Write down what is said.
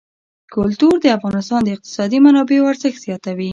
کلتور د افغانستان د اقتصادي منابعو ارزښت زیاتوي.